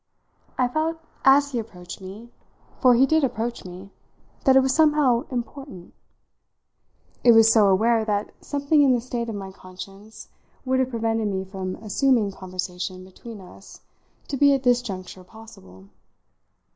I felt as he approached me for he did approach me that it was somehow "important"; I was so aware that something in the state of my conscience would have prevented me from assuming conversation between us to be at this juncture possible.